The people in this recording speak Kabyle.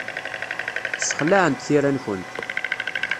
Ssexlaɛent tira-nkent.